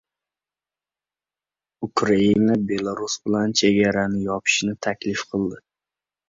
Ukraina Belarus bilan chegarani yopishni taklif qildi